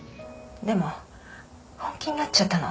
でも本気になっちゃったの。